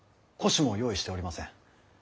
輿も用意しておりません。